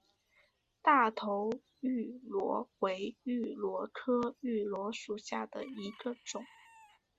大头芋螺为芋螺科芋螺属下的一个种。